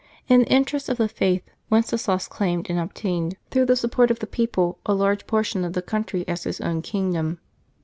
In the interests of the Faith Wenceslas claimed and ob tained, through the support of the people, a large portion of the country as his own kingdom.